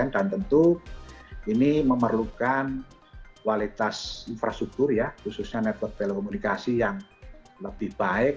dan tentu ini memerlukan kualitas infrastruktur ya khususnya network telekomunikasi yang lebih baik